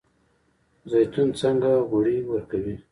زیتون څنګه غوړي ورکوي؟